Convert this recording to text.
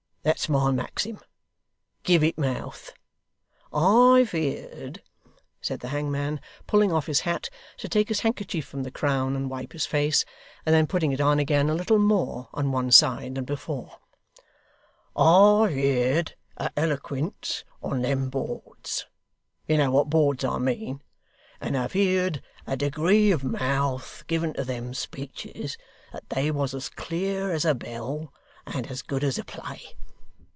That's my maxim. Give it mouth. I've heerd,' said the hangman, pulling off his hat to take his handkerchief from the crown and wipe his face, and then putting it on again a little more on one side than before, 'I've heerd a eloquence on them boards you know what boards I mean and have heerd a degree of mouth given to them speeches, that they was as clear as a bell, and as good as a play.